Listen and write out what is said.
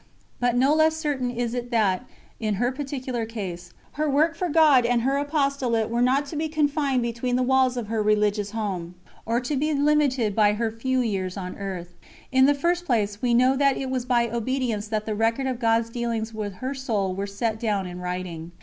But no less certain is it that, in her particular case, her work for God and her apostolate were not to be confined between the walls of her religious home, or to be limited by her few years on earth. In the first place, we know that it was by obedience that the record of God's dealings with her soul were set down in writing.